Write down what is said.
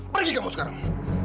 pergi kamu sekarang